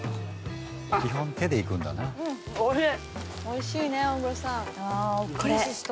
おいしい。